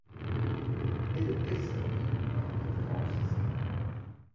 Elle est desservie par les franciscains.